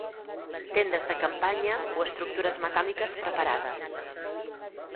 Tendes de campanya o estructures metàl·liques preparades.